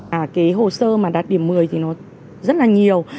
cái hồ sơ mà đặt điểm một mươi thì nó rất là nhiều